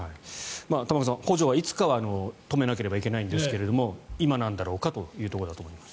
玉川さん、補助はいつかは止めなければいけないんですが今なんだろうかというところだと思います。